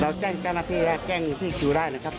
เราแจ้งการณ์พี่แล้วแจ้งพี่คิวได้นะครับ